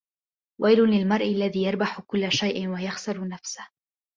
ويلٌ للمرء الذي يربح كل شيء ويخسر نفسه.